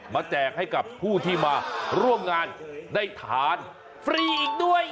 แจกให้กับผู้ที่มาร่วมงานได้ทานฟรีอีกด้วย